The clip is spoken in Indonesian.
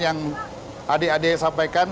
yang adik adik sampaikan